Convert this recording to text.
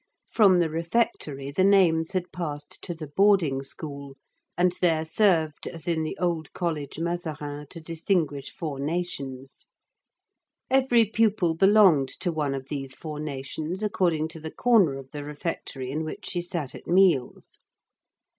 From the refectory the names had passed to the boarding school, and there served as in the old College Mazarin to distinguish four nations. Every pupil belonged to one of these four nations according to the corner of the refectory in which she sat at meals.